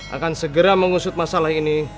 akan segera mengusut masalah ini